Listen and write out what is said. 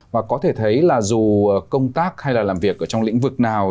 và có thể thấy là dù công tác hay là làm việc ở trong lĩnh vực nào